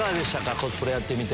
コスプレやってみて。